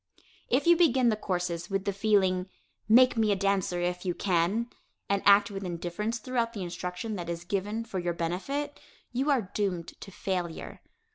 If you begin the courses with the feeling, "make me a dancer if you can," and act with indifference throughout the instruction that is given for your benefit, you are doomed to failure.